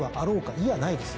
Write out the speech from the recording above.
いやないです。